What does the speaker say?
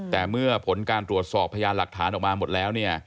แต่เมื่อผลการตรวจสอบพยานหลักฐานออกมาหมดแล้วเนี่ย